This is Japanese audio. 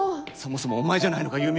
そもそもお前じゃないのか？